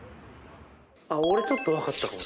俺ちょっと分かったかも。